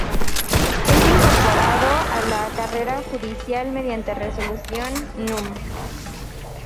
Es incorporado a la Carrera Judicial mediante Resolución núm.